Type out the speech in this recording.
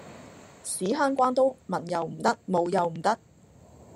屎坑關刀文又唔得武又唔得